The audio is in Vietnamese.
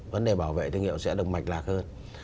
vấn đề bảo vệ thương hiệu sẽ được mạch lạc hơn